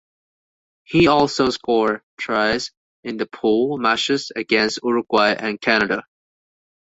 He also scored tries in the pool matches against Uruguay and Canada.